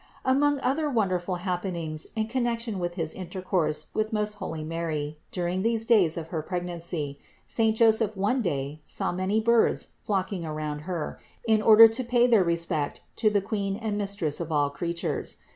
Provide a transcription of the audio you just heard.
431. Among other wonderful happenings in connec tion with his intercourse with most holy Mary during these days of her pregnancy, saint Joseph one day saw many birds flocking around Her in order to pay their respect to the Queen and Mistress of all creatures.